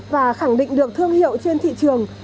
và khẳng định được thương hiệu trên thị trường